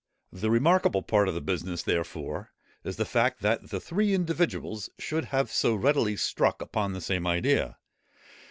The remarkable part of the business, therefore, is the fact, that the three individuals should have so readily struck upon the same idea.